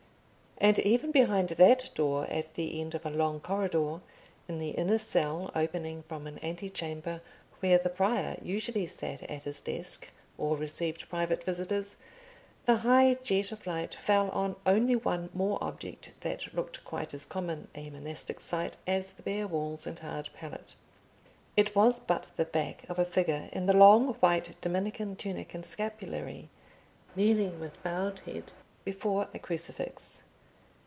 And even behind that door at the end of a long corridor, in the inner cell opening from an antechamber where the Prior usually sat at his desk or received private visitors, the high jet of light fell on only one more object that looked quite as common a monastic sight as the bare walls and hard pallet. It was but the back of a figure in the long white Dominican tunic and scapulary, kneeling with bowed head before a crucifix.